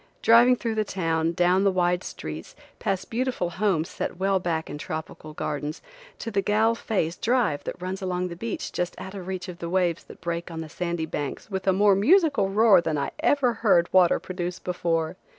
Driving through the town, down the wide streets, past beautiful homes set well back in tropical gardens, to the Galle Face drive that runs along the beach just out of reach of the waves that break on the sandy banks with a more musical roar than I ever heard water produce before.